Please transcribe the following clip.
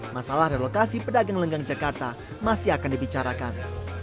masalah relokasi pedagang lenggang jakarta masih akan dibicarakan